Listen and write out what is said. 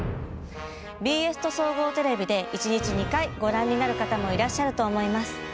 ＢＳと総合テレビで１日２回ご覧になる方もいらっしゃると思います。